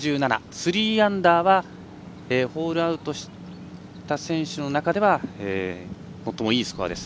３アンダーはホールアウトした選手の中では最もいいスコアです。